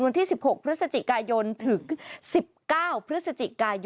วันที่๑๖พคถึง๑๙พค